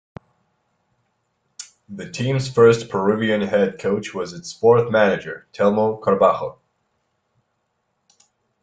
The team's first Peruvian head coach was its fourth manager, Telmo Carbajo.